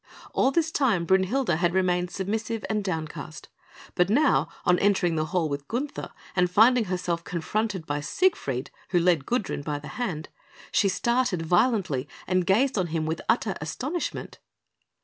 All this time Brünhilde had remained submissive and downcast; but now, on entering the Hall with Gunther and finding herself confronted by Siegfried, who led Gudrun by the hand, she started violently and gazed on him with utter astonishment.